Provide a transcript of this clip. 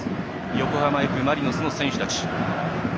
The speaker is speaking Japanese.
横浜Ｆ・マリノスの選手たち。